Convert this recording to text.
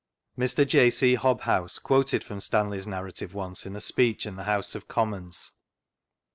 Mr. J. C. Hobhouse quoted from Stanley's narrative once in a speech in the House of Commons.